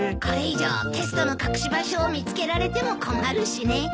これ以上テストの隠し場所を見つけられても困るしね。